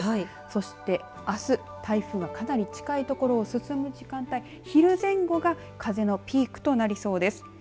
そして、あす台風がかなり近い所を進む時間帯昼前後が風のピークとなりそうです。